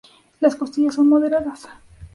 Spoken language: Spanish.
Las costillas son moderadas.